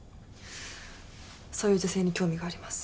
そういう女性に興味があります。